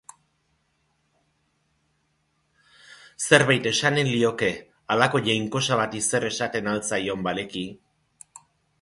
Zerbait esanen lioke, halako jainkosa bati zer esaten ahal zaion baleki.